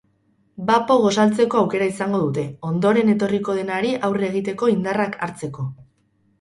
Bapo gosaltzeko aukera izango dute, ondoren etorriko denari aurre egiteko indarrak hartzeko.